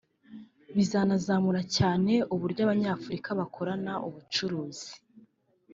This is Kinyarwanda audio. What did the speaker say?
Bizanazamura cyane uburyo Abanyafurika bakorana ubucuruzi